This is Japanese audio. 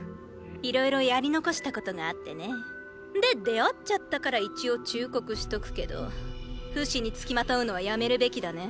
いろいろやり残したことがあってね。で出会っちゃったから一応忠告しとくけどフシに付きまとうのはやめるべきだね。